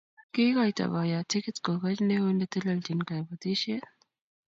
Kiikoito boiyot chekit kokoch neo ne telelchini kabatisiet